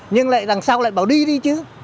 nhưng lại đằng sau lại bảo đi đi chứ